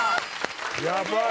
やばい！